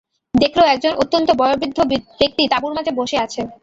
দেখল, একজন অত্যন্ত বয়োবৃদ্ধ ব্যক্তি তাঁবুর মাঝে বসে আছে।